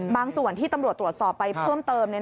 ส่วนที่ตำรวจตรวจสอบไปเพิ่มเติม